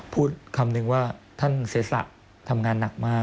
พูดคำนึงว่าท่านเสียสะทำงานหนักมาก